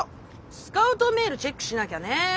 スカウトメールチェックしなきゃね。